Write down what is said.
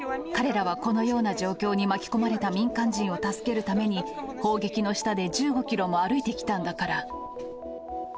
彼らはこのような状況に巻き込まれた民間人を助けるために、砲撃の下で１５キロも歩いてきたんだから。